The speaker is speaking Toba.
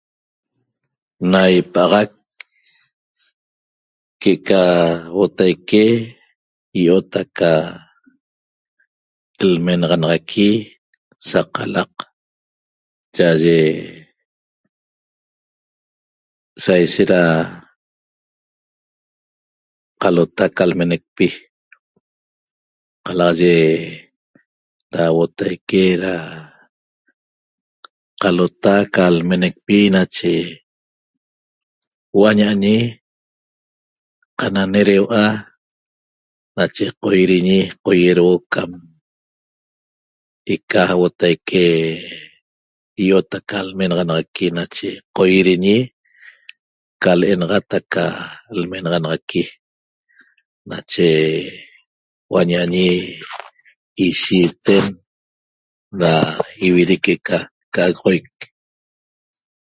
Na ipa'axac que'eca huotaique iot aca'aca lmenaxanaxaqui saqalaq cha'aye sa ishet sa ishet da qalota ca lmenecpi qalaxaye da huotaique da qalota ca lmenecpi nache huo'o ana'añi qananedeua'a nache qoidiñi qoiedeuo cam eca huotaique iot aca lmenaxanaxaqui nache qoiediñi ca l'enaxat aca lmenaxanaxaqui nache huo'o aña'añi ishiiten da ividic que'eca ca'agoxoic